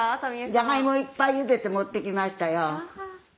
じゃがいもいっぱいゆでて持ってきましたよ。